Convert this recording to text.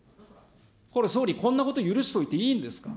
これ総理、こんなこと許しといていいんですか。